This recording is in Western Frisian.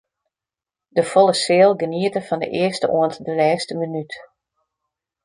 De folle seal geniete fan de earste oant de lêste minút.